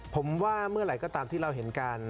ผมว่าเมื่อไหร่ก็ตามที่เราเห็นกัน